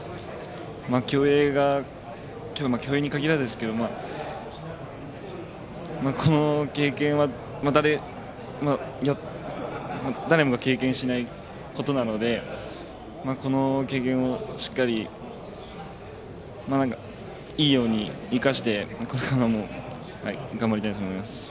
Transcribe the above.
競泳に限らずですがこの経験は誰もが経験しないことなのでこの経験をしっかりといいように生かしてこれからも頑張りたいと思います。